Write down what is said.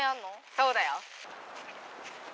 そうだよ。